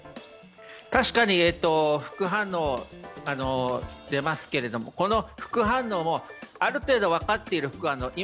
確かに副反応、出ますけど、この副反応もある程度分かっている副反応。